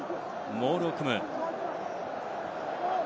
モールを組む。